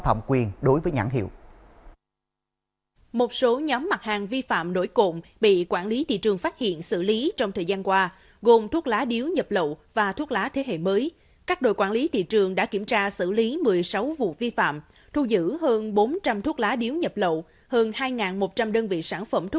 các đội quản lý thị trường tp hcm cho biết trong quý ba năm hai nghìn hai mươi ba các đội quản lý thị trường tp hcm đã thực hiện kiểm tra gần một ba trăm linh vụ